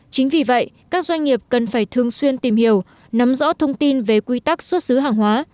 chính vì vậy các doanh nghiệp cần phải thường xuyên tìm hiểu nắm rõ thông tin về quy tắc xuất xứ hàng hóa